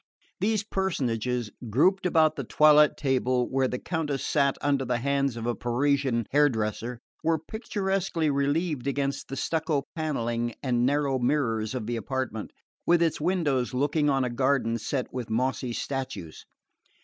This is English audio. These personages, grouped about the toilet table where the Countess sat under the hands of a Parisian hairdresser, were picturesquely relieved against the stucco panelling and narrow mirrors of the apartment, with its windows looking on a garden set with mossy statues.